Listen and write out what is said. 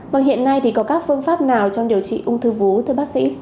vâng hiện nay thì có các phương pháp nào trong điều trị ung thư vú thưa bác sĩ